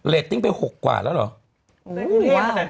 ติ้งไป๖กว่าแล้วเหรอ